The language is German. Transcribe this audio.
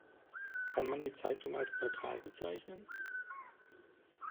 Kann man die Zeitung als neutral bezeichnen?